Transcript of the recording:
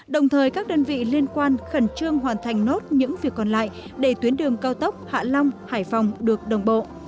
đồng thời các đơn vị liên quan khẩn trương hoàn thành nốt những việc còn lại để tuyến đường cao tốc hạ long hải phòng được đồng bộ